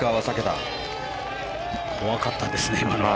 怖かったですね、今のは。